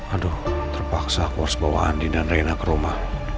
aduh terpaksa aku harus bawa andi dan raina ke rumah